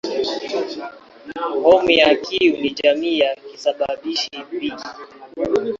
Homa ya Q ni jamii ya kisababishi "B".